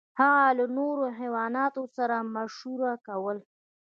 هغه له نورو حیواناتو سره مشوره کوله.